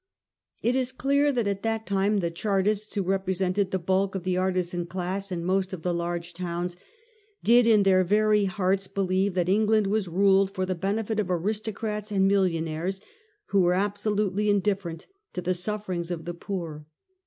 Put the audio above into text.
It is clear that at that time the Chartists, who represented the bulk of the artisan class in most of the large towns, did in their very hearts believe that England was ruled for the benefit of aristocrats and millionaires who were absolutely indifferent to the sufferings of the poor.